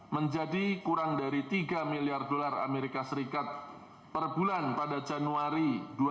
menjadi kurang dari rp tiga miliar per bulan pada januari dua ribu enam belas